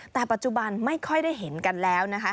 แต่ปัจจุบันไม่ค่อยได้เห็นกันแล้วนะคะ